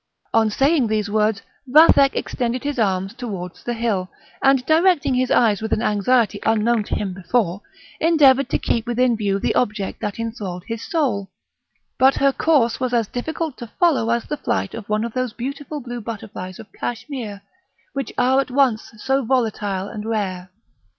On saying these words, Vathek extended his arms towards the hill, and directing his eyes with an anxiety unknown to him before, endeavoured to keep within view the object that enthralled his soul; but her course was as difficult to follow as the flight of one of those beautiful blue butterflies of Cashmere, which are at once so volatile and rare.